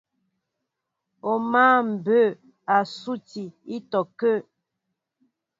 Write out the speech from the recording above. O mǎ mbɛɛ a suti ítɔ́kə́ə́.